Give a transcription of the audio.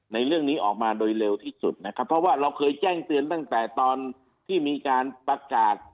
ในเรื่องนี้ออกมาโดยเร็วที่สุดนะครับเพราะว่าเราเคยแจ้งเตือนตั้งแต่ตอนที่มีการประกาศ